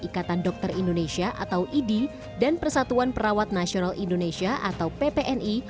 ikatan dokter indonesia atau idi dan persatuan perawat nasional indonesia atau ppni